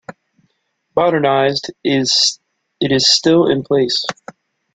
Modernized, it is still in place.